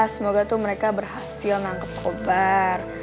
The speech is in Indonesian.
semoga tuh mereka berhasil nangkep kobar